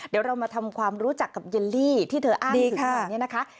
เดี๋ยวเรามาทำความรู้จักกับเยลลี่ที่เธออ้างถึงขนาดนี้นะคะ